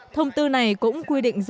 thông tư này cũng quy định rõ ràng